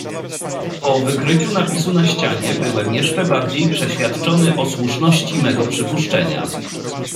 "Po wykryciu napisu na ścianie byłem bardziej jeszcze przeświadczony o słuszności mego przypuszczenia."